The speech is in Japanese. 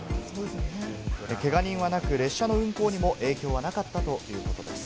けが人はなく、列車の運行にも影響はなかったということです。